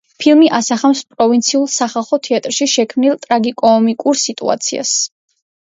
ფილმი ასახავს პროვინციულ სახალხო თეატრში შექმნილ ტრაგი–კომიკურ სიტუაციას.